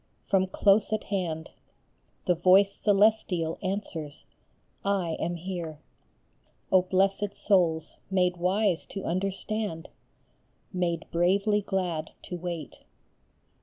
from close at hand, The voice Celestial answers, " I am here !" Oh, blessed souls, made wise to understand, Made bravely glad to wait